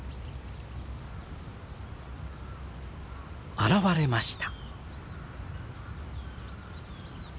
現れました。